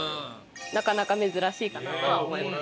なかなか珍しいかなとは思います。